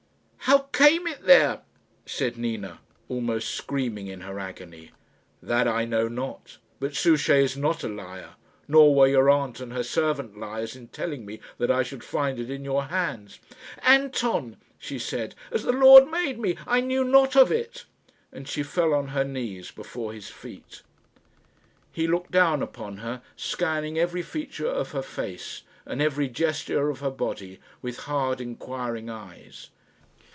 "How came it there?" said Nina, almost screaming in her agony. "That I know not; but Souchey is not a liar; nor were your aunt and her servant liars in telling me that I should find it in your hands." "Anton," she said, "as the Lord made me, I knew not of it;" and she fell on her knees before his feet. He looked down upon her, scanning every feature of her face and every gesture of her body with hard inquiring eyes.